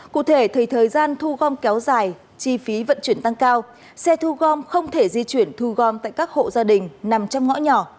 cụ thể thì thời gian thu gom kéo dài chi phí vận chuyển tăng cao xe thu gom không thể di chuyển thu gom tại các hộ gia đình nằm trong ngõ nhỏ